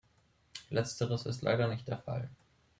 Letzteres ist leider nicht der Fall.